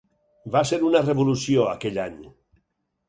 Va ser una revolució aquell any.